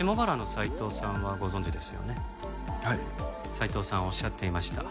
斉藤さんおっしゃっていました。